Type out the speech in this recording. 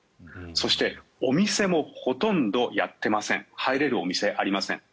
そしてお店もほとんどやってません入れるお店、ありません。